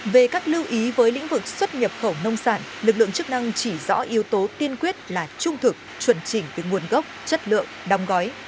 về các lưu ý với lĩnh vực xuất nhập khẩu nông sản lực lượng chức năng chỉ rõ yếu tố tiên quyết là trung thực chuẩn chỉnh về nguồn gốc chất lượng đong gói